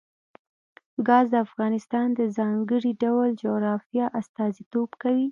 ګاز د افغانستان د ځانګړي ډول جغرافیه استازیتوب کوي.